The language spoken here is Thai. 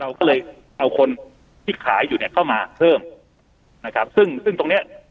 เราก็เลยเอาคนที่ขายอยู่เนี่ยเข้ามาเพิ่มนะครับซึ่งซึ่งตรงเนี้ย